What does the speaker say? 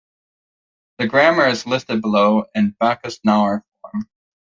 The grammar is listed below in Backus-Naur form.